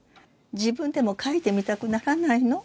自分でも描いてみたくならないの？